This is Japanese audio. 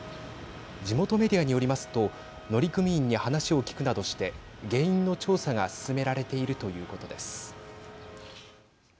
地元メディアによりますと乗組員に話を聞くなどして原因の調査が進められているということです。